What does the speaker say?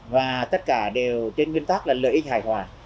và tất cả đều trên nguyên tắc là lợi ích hài hòa